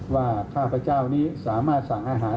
ข้าพเจ้านี้สามารถสั่งอาหาร